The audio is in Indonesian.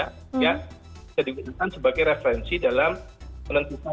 kita dikenakan sebagai referensi dalam penentuan kebijakan